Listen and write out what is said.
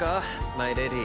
マイレディ。